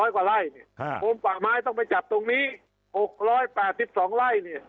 ๑๗๐๐กว่าไล่โบสถ์ปากไม้ต้องไปจับตรงนี้๖๘๒ไล่